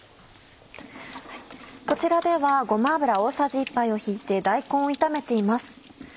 こちらではごま油大さじ１杯を引いて大根を炒めています。